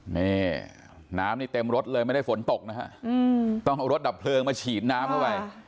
นี่น้ำนี่เต็มรถเลยไม่ได้ฝนตกนะฮะต้องเอารถดับเพลิงมาฉีดน้ำเข้าไป